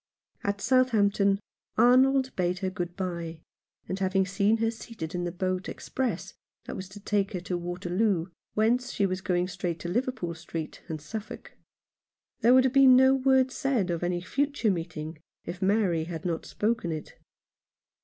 57 Rough Justice. At Southampton Arnold bade her good bye, after having seen her seated in the boat ex press that was to take her to Waterloo, whence she was going straight to Liverpool Street, and Suffolk. There would have been no word said of any future meeting if Mary had not spoken it.